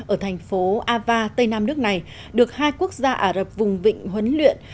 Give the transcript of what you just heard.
ở thành phố ava tây nam nước này được hai quốc gia ả rập vùng vịnh huấn luyện